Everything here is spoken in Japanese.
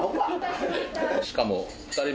しかも。